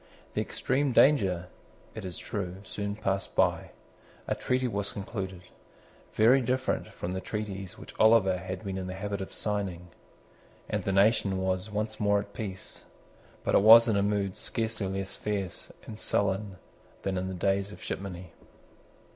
The extreme danger, it is true, soon passed by. A treaty was concluded, very different from the treaties which Oliver had been in the habit of signing; and the nation was once more at peace, but was in a mood scarcely less fierce and sullen than in the days of shipmoney.